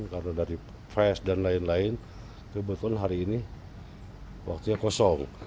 karena dari fes dan lain lain kebetulan hari ini waktunya kosong